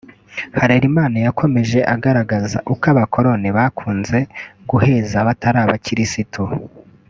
Harerimana yakomeje agaragaza uko Abakoloni bakunze guheza abatari Abakirisitu